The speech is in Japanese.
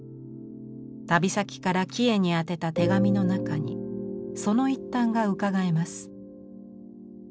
旅先からキヱに宛てた手紙の中にその一端がうかがえます。